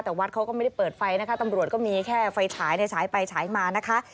แต่วัดเขาก็ไม่ได้เปิดไฟนะคะตำรวจก็มีแค่ไฟฉายในฉายไปฉายมานะคะ